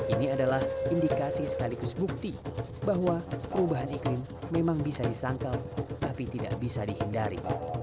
ini adalah indikasi sekaligus bukti bahwa perubahan iklim memang bisa disangkal tapi tidak bisa dihindari